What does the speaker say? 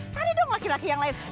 ada dong laki laki yang lain